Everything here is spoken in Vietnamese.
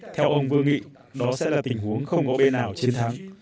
theo ông vương nghị đó sẽ là tình huống không có bên nào chiến thắng